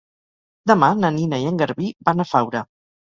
Demà na Nina i en Garbí van a Faura.